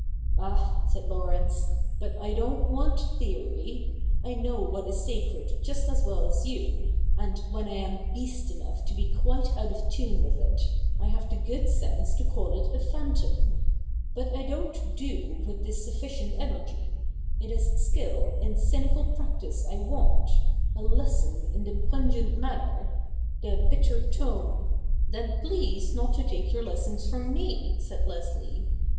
' Ah !' said Laurence, ' but I don't want theory. I know what is sacred just as well as you, and, when I am beast enough to be quite out of tune with it, I have the good sense to call it a phantom. But I don't do this with sufficient energy. It is skill in cynical practice I want — a lesson in the pungent manner — the bitter tone '' Then please not to take your lessons from me,' said Leslie.